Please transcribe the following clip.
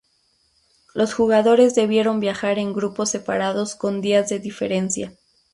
Los jugadores debieron viajar en grupos separados con días de diferencia.